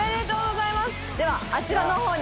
ではあちらの方に。